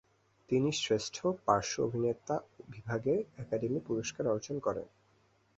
তিনি শ্রেষ্ঠ পার্শ্ব অভিনেতা বিভাগে একাডেমি পুরস্কার অর্জন করেন।